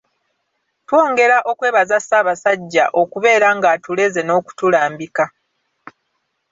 Twongera okwebaza Ssaabasajja okubeera ng’atuleze n’okutulambika.